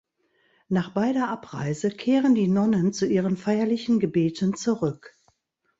Nach beider Abreise kehren die Nonnen zu ihren feierlichen Gebeten zurück.